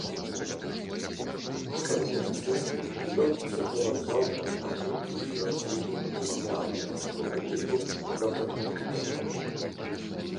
Сваю лекцыю ён суправаджаў багатым ілюстрацыйным матэрыялам, у тым ліку картаграфічным.